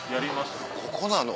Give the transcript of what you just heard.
ここなの？